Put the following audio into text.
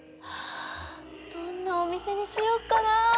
どんなお店にしよっかなぁ！